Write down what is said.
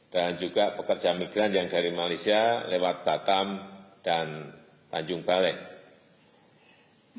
dan juga pekerja migran yang dari malaysia lewat batam dan tanjung priok